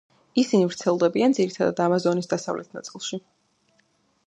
ისინი ვრცელდებიან ძირითადად ამაზონის დასავლეთ ნაწილში.